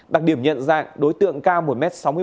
đặc điểm nhận rằng đối tượng cao một m sáu mươi bảy